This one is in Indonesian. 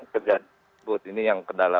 kejadian ini yang kendala